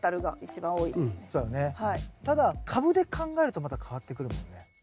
ただ株で考えるとまた変わってくるもんね。